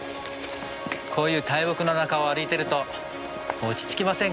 こういう大木の中を歩いてると落ち着きませんか？